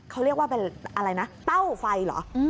เขาเรียกว่าเป็นอะไรนะเต้าไฟเหรอ